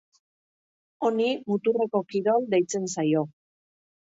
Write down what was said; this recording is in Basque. Honi muturreko kirol deitzen zaio.